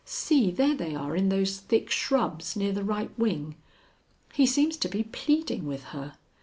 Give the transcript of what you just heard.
See, there they are in those thick shrubs near the right wing. He seems to be pleading with her.